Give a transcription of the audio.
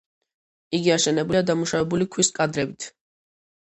იგი აშენებულია დამუშავებული ქვის კვადრებით.